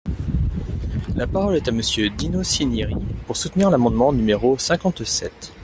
La parole est à Monsieur Dino Cinieri, pour soutenir l’amendement numéro cinquante-sept.